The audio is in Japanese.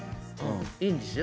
いいんですよ